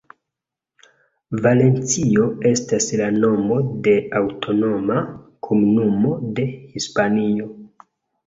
Valencio estas la nomo de aŭtonoma komunumo de Hispanio.